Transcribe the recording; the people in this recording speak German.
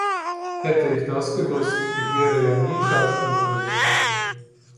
Hätte ich das gewusst, ich wäre ja nie Schauspieler geworden.